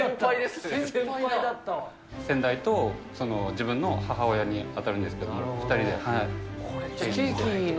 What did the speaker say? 先代と自分の母親に当たるんですけど、２人で手入れして。